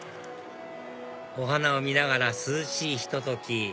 お花を見ながら涼しいひと時